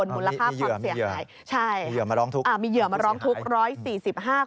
มูลค่าความเสียหายมีเหยื่อมาร้องทุกข์